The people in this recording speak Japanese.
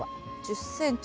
１０ｃｍ。